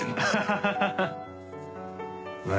ハハハ